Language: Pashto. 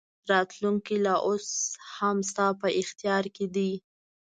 راتلونکې لا اوس هم ستا په اختیار کې ده.